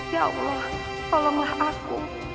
ya allah tolonglah aku